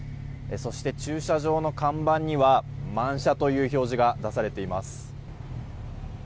そして、駐車場の看板には満車という表示が出されています。